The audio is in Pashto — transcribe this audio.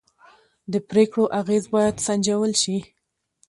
د پرېکړو اغېز باید سنجول شي